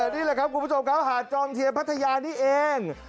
นี่แหละครับคุณผู้ชมครับหาดจอมเทียนพัทยานี่เอง